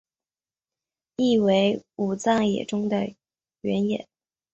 意为武藏野中的原野。